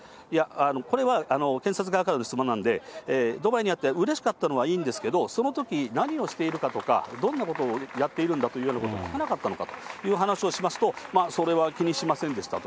これは検察側からの質問なんで、ドバイで会ってうれしかったのはいいんですけど、そのとき、何をしているかとか、どんなことをやっているんだというようなことを聞かなかったのかという話をしますと、それは気にしませんでしたと。